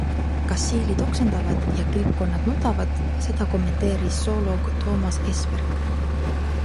Kas siilid oksendavad ja kilpkonnad nutavad, seda kommenteeris zooloog Toomas Esperk.